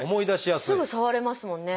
すぐ触れますもんね。